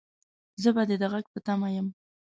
زه به دې د غږ په تمه يم